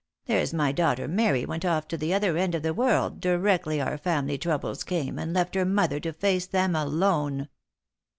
There's my daughter Mary went off to the other end of the world directly our family troubles came, and left her mother to face them alone."